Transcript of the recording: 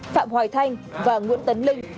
phạm hoài thanh và nguyễn tấn linh